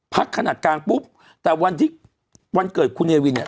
ขนาดกลางปุ๊บแต่วันที่วันเกิดคุณเนวินเนี่ย